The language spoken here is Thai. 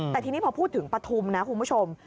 แต่ทีนี้พอพูดถึงปฐุมนะคุณผู้ชม